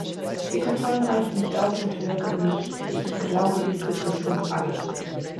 Die Kontrollen reichen nicht aus und wirken nicht ich glaube, dies betrifft uns alle.